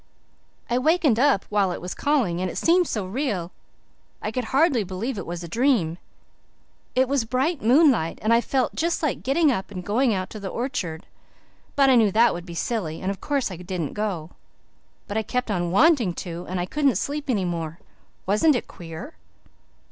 I wakened up while it was calling, and it seemed so real I could hardly believe it was a dream. It was bright moonlight, and I felt just like getting up and going out to the orchard. But I knew that would be silly and of course I didn't go. But I kept on wanting to and I couldn't sleep any more. Wasn't it queer?"